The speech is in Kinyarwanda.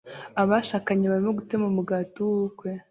Abashakanye barimo gutema umugati w'ubukwe